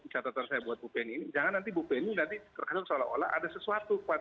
catatan saya buat bu penny ini jangan nanti bu penny nanti terkesan seolah olah ada sesuatu